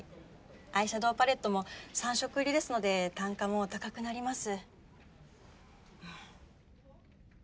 アイシャドーパレットも３色入りですので単価も高くなります。